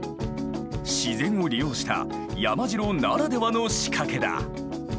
自然を利用した山城ならではの仕掛けだ。